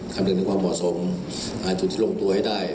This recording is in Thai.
คำนึงถึงความเหมาะสมจุดที่ลงตัวให้ได้